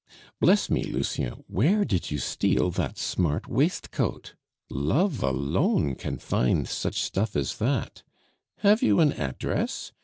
Bless me, Lucien, where did you steal that smart waistcoat? Love alone can find such stuff as that. Have you an address?